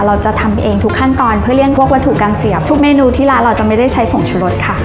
เราจะทำเองทุกขั้นตอนเพื่อเลี่ยงพวกวัตถุการเสียบทุกเมนูที่ร้านเราจะไม่ได้ใช้ผงชุรสค่ะ